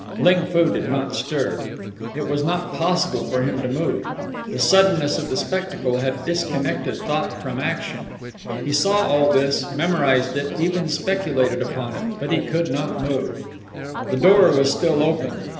Ling Foo did not stir. It was not possible for him to move. The suddenness of the spectacle had disconnected thought from action. He saw all this, memorized it, even speculated upon it; but he could not move. The door was still open.